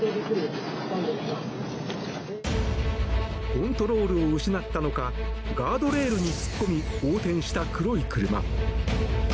コントロールを失ったのかガードレールに突っ込み横転した黒い車。